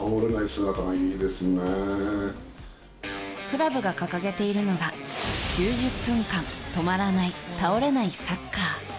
クラブが掲げているのが９０分間止まらない倒れないサッカー。